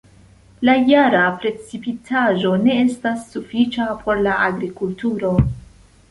La jara precipitaĵo ne estas sufiĉa por la agrikulturo.